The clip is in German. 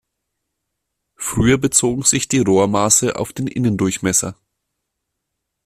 Früher bezogen sich die Rohr-Maße auf den Innendurchmesser.